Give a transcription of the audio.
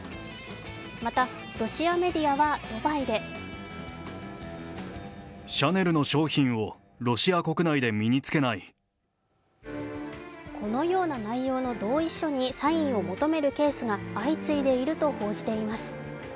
また、ロシアメディアはドバイでこのような内容の同意書にサインを求めるケースが相次いでいると報じています。